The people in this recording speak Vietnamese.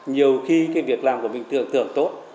nhiều khi cái việc làm của bình thường tưởng tốt